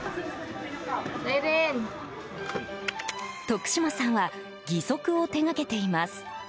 徳島さんは義足を手掛けています。